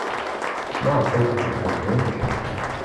Maɣef ay tbeddemt din?